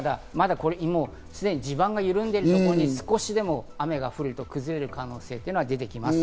すでに地盤が緩んでいるところに少しでも雨が降ると崩れる可能性というのが出てきます。